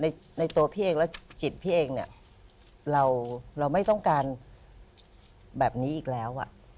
ในตัวพี่เองและจิตพี่เองเนี่ยเราไม่ต้องการแบบนี้อีกแล้ว